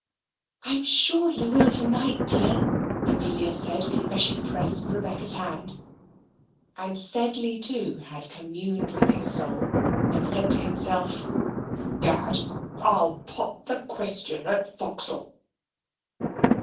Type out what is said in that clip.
"I am sure he will to night, dear," Amelia said, as she pressed Rebecca's hand; and Sedley, too, had communed with his soul, and said to himself, "'Gad, I'll pop the question at Vauxhall."